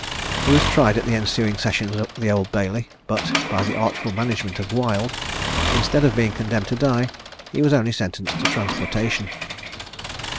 He was tried at the ensuing sessions at the Old Bailey; but, by the artful management of Wild, instead of being condemned to die, he was only sentenced to transportation.